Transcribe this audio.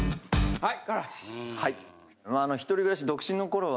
はい。